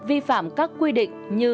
vi phạm các quy định như